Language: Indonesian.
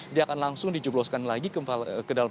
dia akan langsung dijubloskan lagi ke dalam